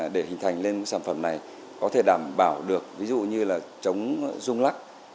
để hình thành lên sản phẩm này có thể đảm bảo được ví dụ như là chống rung lắc